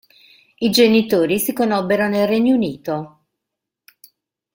I genitori si conobbero nel Regno Unito.